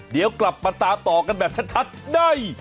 เดี๋ยวกลับมาตามต่อกันแบบชัดได้